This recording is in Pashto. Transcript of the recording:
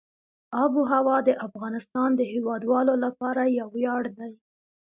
آب وهوا د افغانستان د هیوادوالو لپاره یو ویاړ دی.